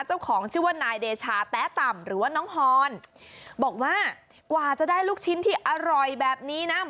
เจ้าของชื่อว่านายเดชาแต๊ะต่ำหรือว่าน้องฮอนบอกว่ากว่าจะได้ลูกชิ้นที่อร่อยแบบนี้นะ